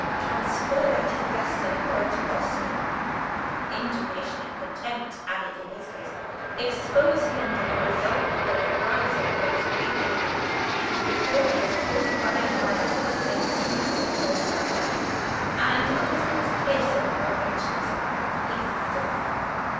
Transfer that disgust and horror to Oscar (with indignation and contempt added in his case); expose him to the result of rousing those feelings in her, before he is fortified by a husband's influence over her mind, and a husband's place in her affections if you dare.